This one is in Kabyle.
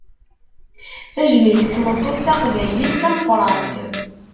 Tajmilt n tmeṭṭut taqbaylit, d tameqqrant.